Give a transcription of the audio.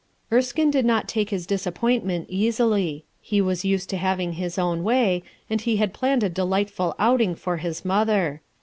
Erskine did not take bis disappointment easily. He was used to having his own way, and he had planned a delightful outing for his mother.